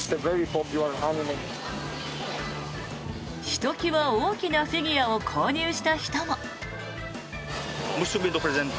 ひときわ大きなフィギュアを購入した人も。